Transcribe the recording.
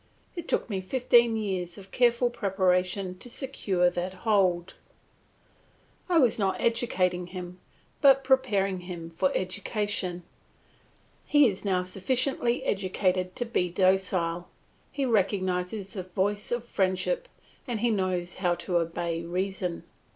It took me fifteen years of careful preparation to secure that hold. I was not educating him, but preparing him for education. He is now sufficiently educated to be docile; he recognises the voice of friendship and he knows how to obey reason.